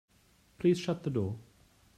Please shut the door.